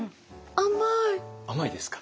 甘いですか？